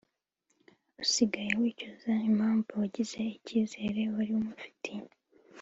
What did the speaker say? usigara wicuza impamvu wangije icyizere wari umufitiye